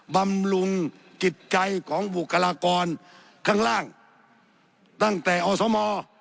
บำรุงจิตใจของบุคลากรข้างล่างตั้งแต่อสม